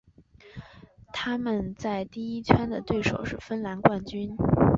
他们在第一圈的对手是芬兰冠军。